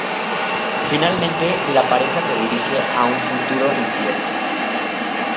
Finalmente, la pareja se dirige a un futuro incierto.